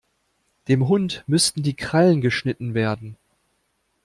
Dem Hund müssten die Krallen geschnitten werden.